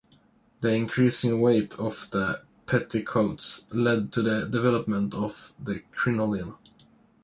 The increasing weight of the petticoats led to the development of the crinoline.